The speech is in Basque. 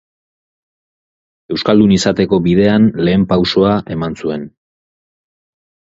Euskaldun izateko bidean lehen pausoa eman zuen.